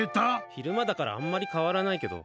昼間だからあんまり変わらないけど。